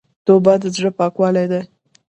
توبه د زړه پاکوالی ده.